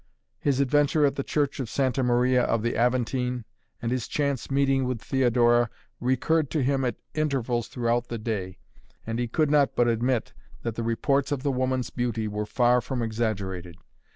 His adventure at the Church of Santa Maria of the Aventine and his chance meeting with Theodora recurred to him at intervals throughout the day, and he could not but admit that the reports of the woman's beauty were far from exaggerated.